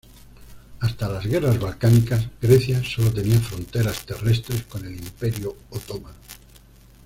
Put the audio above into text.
Hasta las guerras balcánicas, Grecia solo tenía fronteras terrestres con el Imperio otomano.